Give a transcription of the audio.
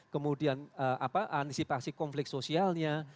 kemudian antisipasi konflik sosialnya